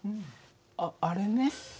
あっあれね。